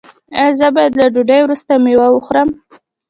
ایا زه باید له ډوډۍ وروسته میوه وخورم؟